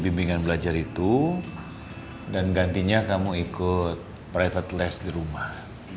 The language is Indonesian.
bimbingan belajar itu dan gantinya kamu ikut private less di rumah